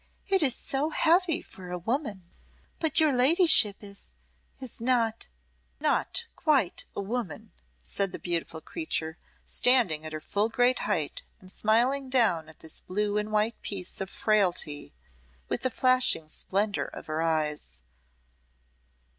"It is so heavy for a woman but your ladyship is is not " "Not quite a woman," said the beautiful creature, standing at her full great height, and smiling down at this blue and white piece of frailty with the flashing splendour of her eyes.